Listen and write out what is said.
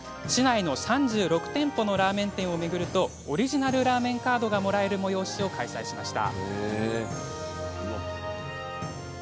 市内の３６店舗のラーメン店を巡るとオリジナルラーメンカードがもらえる催しを開催しました。